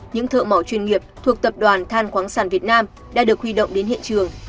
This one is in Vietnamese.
những thợ mỏ chuyên nghiệp thuộc tập đoàn than khoáng sản việt nam đã được huy động đến hiện trường